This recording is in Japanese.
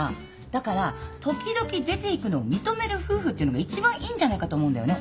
だから時々出ていくのを認める夫婦っていうのが一番いいんじゃないかと思うんだよね。